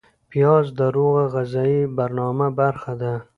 پیاز د روغه غذایي برنامه برخه ده